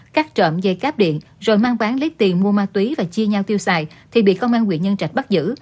cắt trộm dây cáp điện rồi mang bán lấy tiền mua ma túy và chia nhau tiêu xài thì bị công an quyện nhân trạch bắt giữ